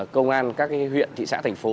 công an các huyện thị xã thành phố